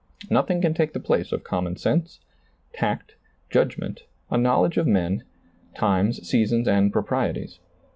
Nothing can take the place of common sense, tact, judgment, a knowledge of men, times, seasons and proprieties.